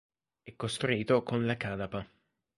È costruito con la canapa.